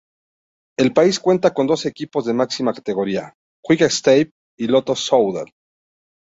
El país cuenta con dos equipos de máxima categoría: Quick Step y Lotto Soudal.